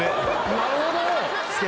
なるほど！